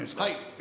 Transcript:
え？